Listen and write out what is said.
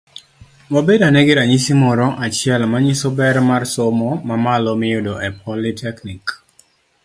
Wabed ane gi ranyisi moro achiel manyiso ber mar somo mamalo miyudo e politeknik.